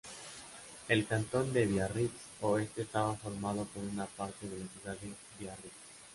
El cantón de Biarritz-Oeste estaba formado por una parte de la ciudad de Biarritz.